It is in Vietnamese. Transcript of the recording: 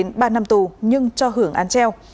nhưng cho hưởng án treo